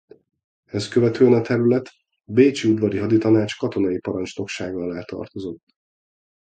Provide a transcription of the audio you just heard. Ezt követően a terület bécsi Udvari Haditanács katonai parancsnoksága alá tartozott.